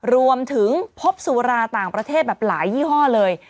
รวมถึงพบสุราต่างประเทศแบบหลายยี่ห้อเลย